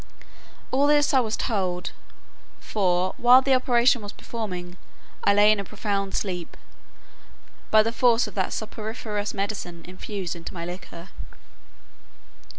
All this I was told; for, while the operation was performing, I lay in a profound sleep, by the force of that soporiferous medicine infused into my liquor.